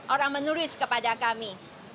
orang menulis kepada kami